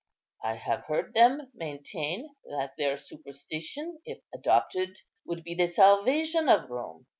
"I have heard them maintain that their superstition, if adopted, would be the salvation of Rome.